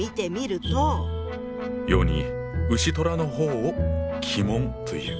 「世に丑寅の方を鬼門という」。